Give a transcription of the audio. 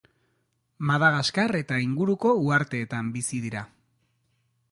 Madagaskar eta inguruko uhartetan bizi dira.